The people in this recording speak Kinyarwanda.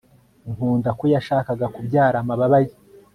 nkunda ko yashakaga kubyara amababa ye